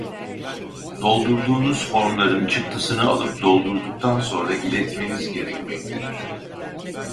Doldurduğunuz formların çıktısını alıp doldurduktan sonra iletmeniz gerekmektedir